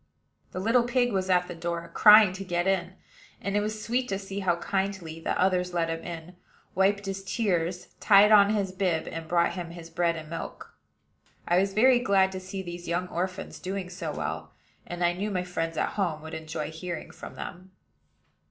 The little pig was at the door, crying to get in; and it was sweet to see how kindly the others let him in, wiped his tears, tied on his bib, and brought him his bread and milk. I was very glad to see these young orphans doing so well, and I knew my friends at home would enjoy hearing from them.